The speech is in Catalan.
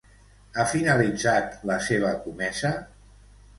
Ha finalitzat la seva comesa?